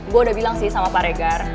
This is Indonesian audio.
gue udah bilang sih sama pak regar